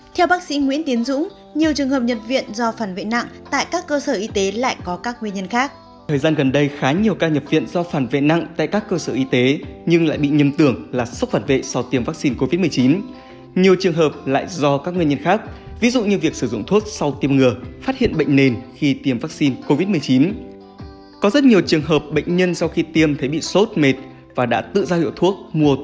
theo bác sĩ nguyễn tiến dũng nhiều trường hợp nhập viện do phản vệ nặng tại các cơ sở y tế lại có các nguyên nhân khác